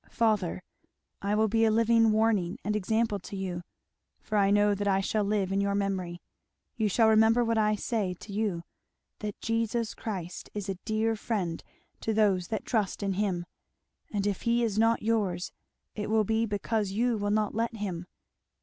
"Father, I will be a living warning and example to you, for I know that I shall live in your memory you shall remember what I say to you that Jesus Christ is a dear friend to those that trust in him, and if he is not yours it will be because you will not let him.